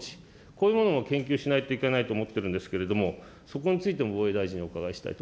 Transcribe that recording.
こういうものを研究しないといけないと思っているんですけれども、そこについても防衛大臣にお伺い